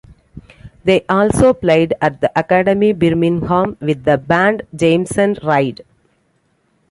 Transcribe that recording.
They also played at the Academy Birmingham with the band Jameson Raid.